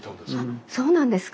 あっそうなんですか。